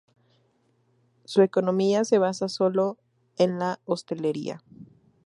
Su economía se basa solo en la hostelería.